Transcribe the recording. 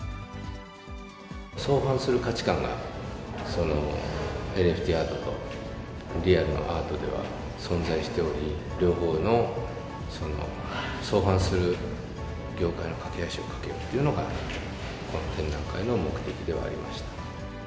相反する価値観が、ＮＦＴアートと、リアルのアートでは存在しており、両方の相反する業界の懸け橋をかけるっていうのが、この展覧会の目的ではありました。